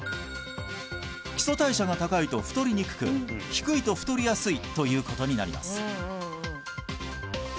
基礎代謝が高いと太りにくく低いと太りやすいということになります